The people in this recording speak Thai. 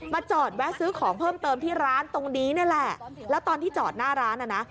จอดแวะซื้อของเพิ่มเติมที่ร้านตรงนี้นี่แหละแล้วตอนที่จอดหน้าร้านน่ะนะ